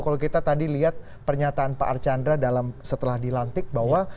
kalau kita tadi lihat pernyataan pak archandra setelah dilantik bahwa